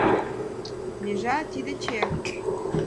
Межа — тиде чек.